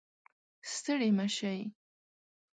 ستړې مه شئ